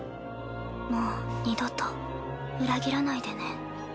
もう二度と裏切らないでね。